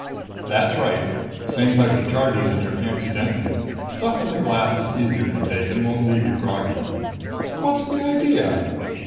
"That's right. Same type of charge as in your fancy Denton. Stuff in the glass is easier to take and won't leave you groggy." "What's the idea?"